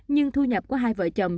nhưng thu nhập của hai vợ chồng